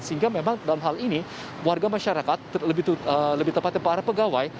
sehingga memang dalam hal ini warga masyarakat lebih tepatnya para pegawai